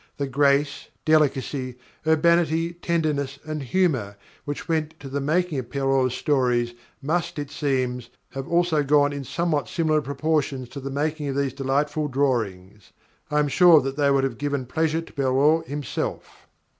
The grace, delicacy, urbanity, tenderness, and humour which went to the making of Perrault's stories must, it seems, have also gone in somewhat similar proportions to the making of these delightful drawings. I am sure that they would have given pleasure to Perrault himself.